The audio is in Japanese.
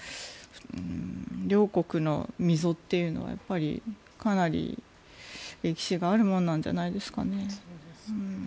両国の溝というのはかなり歴史があるものなんじゃないですかね。